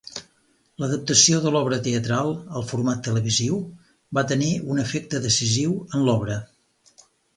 L'adaptació de l’obra teatral al format televisiu va tenir un efecte decisiu en l’obra.